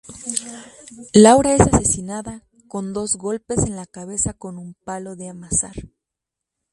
Laura es asesinada con dos golpes en la cabeza con un palo de amasar.